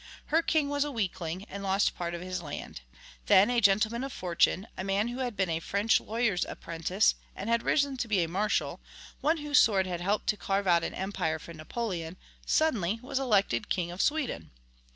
Her king was a weakling, and lost part of his land. Then a gentleman of fortune, a man who had been a French lawyer's apprentice, and had risen to be a marshal, one whose sword had helped to carve out an empire for Napoleon, suddenly was elected King of Sweden.